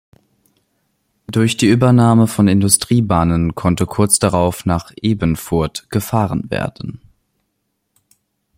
Durch die Übernahme von Industriebahnen konnte kurz darauf nach Ebenfurth gefahren werden.